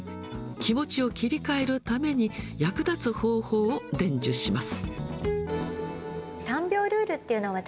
気持ちを切り替えるために役立つ方法を伝授します。